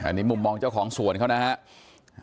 อันนี้มุมมองเจ้าของสวนเขานะครับ